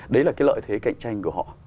đấy là cái lợi thế cạnh tranh của họ